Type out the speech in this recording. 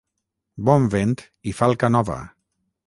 Bon vent i falca nova!